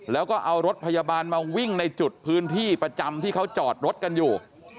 แล้วก็เอารถพยาบาลมาวิ่งในจุดพื้นที่ประจำที่เขาจอดรถกันอยู่